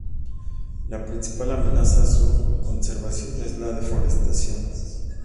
La principal amenaza a su conservación es la deforestación.